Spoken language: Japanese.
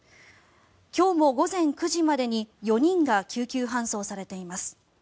今日も午前９時までに４人が救急搬送されています。